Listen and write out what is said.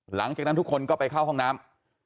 หลังจากนั้นทุกคนก็ไปเข้าห้องน้ำ